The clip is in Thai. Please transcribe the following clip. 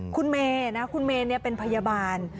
คุณเมย์นะคุณเมย์เป็นพยาบาล